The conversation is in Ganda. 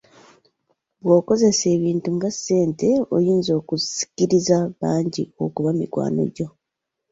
Bw'okozesa ebintu nga ssente oyinza osikiriza bangi okuba mikwano gyo.